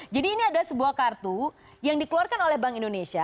jadi ini ada sebuah kartu yang dikeluarkan oleh bank indonesia